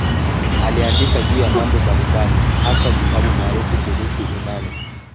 Aliandika juu ya mambo mbalimbali, hasa kitabu maarufu kuhusu imani.